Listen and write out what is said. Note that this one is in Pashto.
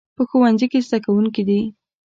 په ښوونځي کې زده کوونکي دي